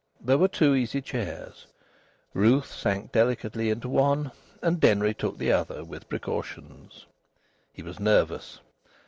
There were two easy chairs; Ruth sank delicately into one, and Denry took the other with precautions. He was nervous.